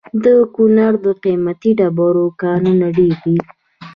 د کونړ د قیمتي ډبرو کانونه ډیر دي.